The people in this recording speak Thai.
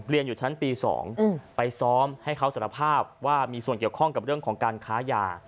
เรียนอยู่ชั้นปี๒ไปซ้อมให้เขาสารภาพว่ามีส่วนเกี่ยวข้องกับเรื่องของการค้ายา